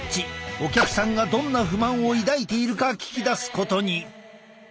お客さんがどんな不満を抱いているか聞き出すことに。